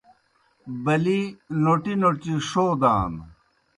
بَلِی نوٹی نوٹی ݜودان۔